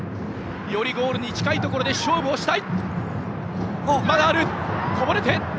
よりゴールに近いところで勝負をしたい。